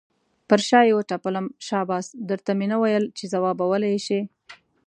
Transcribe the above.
پر شا یې وټپلم، شاباس در ته مې نه ویل چې ځوابولی یې شې.